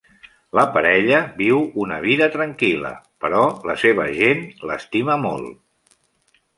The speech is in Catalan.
La parella viu una "vida tranquil·la" però la seva gent l'estima molt.